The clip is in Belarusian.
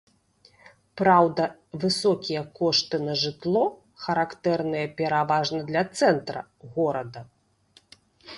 Праўда, высокія кошты на жытло характэрныя пераважна для цэнтра горада.